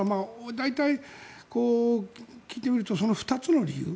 大体、聞いてみるとその２つの理由。